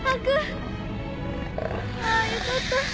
ああよかった。